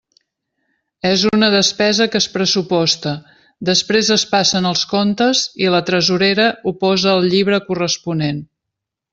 És una despesa que es pressuposta, després es passen els comptes i la tresorera ho posa al llibre corresponent.